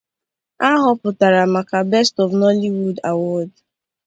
A họpụtara maka Best of Nollywood Award.